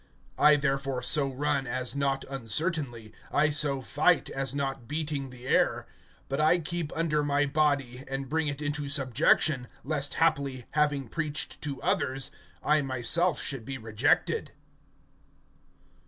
(26)I therefore so run, as not uncertainly; I so fight, as not beating the air. (27)But I keep under my body, and bring it into subjection; lest haply, having preached to others, I myself should be rejected.